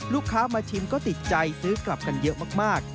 ลูกค้ามาชิมก็ติดใจซื้อกลับกันเยอะมาก